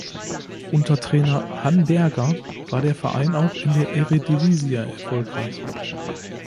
Unter Trainer Han Berger war der Verein auch in der Eredivisie erfolgreich.